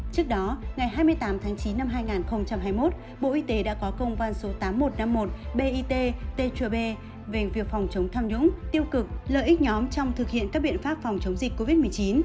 trước đó ngày hai mươi tám tháng chín năm hai nghìn hai mươi một bộ y tế đã có công văn số tám nghìn một trăm năm mươi một bit tgb về việc phòng chống tham nhũng tiêu cực lợi ích nhóm trong thực hiện các biện pháp phòng chống dịch covid một mươi chín